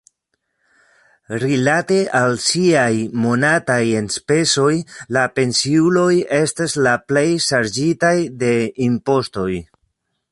Rilate al siaj monataj enspezoj, la pensiuloj estas la plej ŝarĝitaj de impostoj.